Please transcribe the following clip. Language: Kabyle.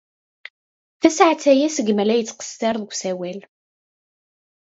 Tasaɛet aya seg mi ay la yettqeṣṣir deg usawal.